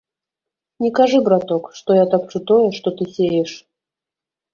Не кажы, браток, што я тапчу тое, што ты сееш.